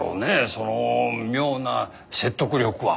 その妙な説得力は。